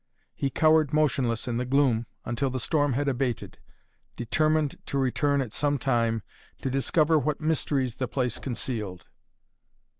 He cowered motionless in the gloom until the storm had abated, determined to return at some time to discover what mysteries the place concealed.